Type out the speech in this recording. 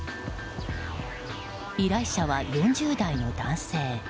依頼者は４０代の男性。